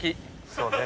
そうね。